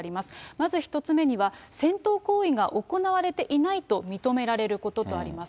まず１つ目には、戦闘行為が行われていないと認められることとあります。